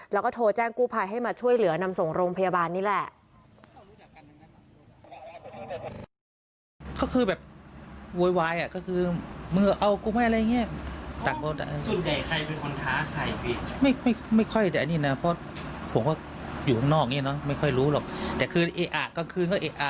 แล้วก็โทรแจ้งกู้ภัยให้มาช่วยเหลือนำส่งโรงพยาบาลนี่แหละ